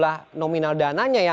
saya ingin mencetak pelajar pancasila